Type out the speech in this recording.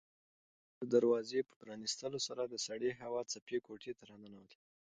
د بالکن د دروازې په پرانیستلو سره د سړې هوا څپې کوټې ته راننوتلې.